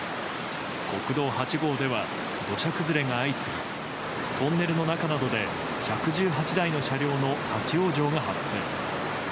国道８号では土砂崩れが相次ぎトンネルの中などで１１８台の車両の立ち往生が発生。